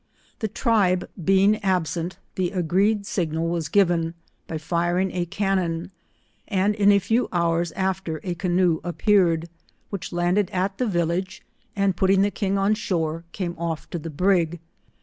The tribe being absent, the agreed signal was given, by firing a cannon, and in a few hours after a canoe appeared, which landed at the village, and putting the king on shore, came off to the brig.